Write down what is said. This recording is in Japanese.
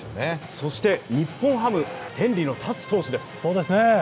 そして日本ハム、天理の達投手です。